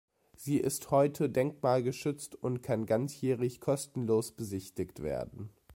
Sie ist heute denkmalgeschützt und kann ganzjährig kostenlos besichtigt werden.